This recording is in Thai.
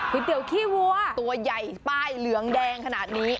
เตี๋ยขี้วัวตัวใหญ่ป้ายเหลืองแดงขนาดนี้